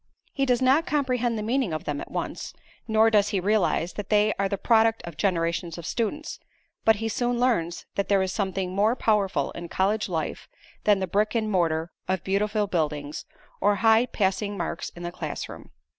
He does not comprehend the meaning of them at once, nor does he realize that they are the product of generations of students, but he soon learns that there is something more powerful in college life than the brick and mortar of beautiful buildings, or high passing marks in the classroom.